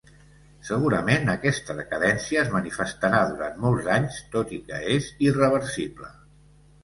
Segurament aquesta decadència es manifestarà durant molts anys, tot i que és irreversible.